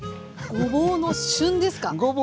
ごぼうの旬ですよ。